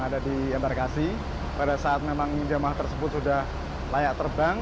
ada di embarkasi pada saat memang jemaah tersebut sudah layak terbang